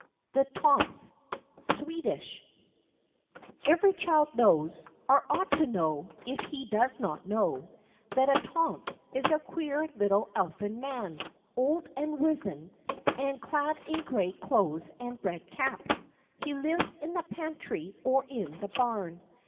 THE TOMTS From Sweden Every child knows or ought to know if he does not know that the Tomt is a queer little Elfin man, old and wizen, and clad in gray clothes and red cap. He lives in the pantry or in the barn.